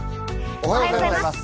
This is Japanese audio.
おはようございます。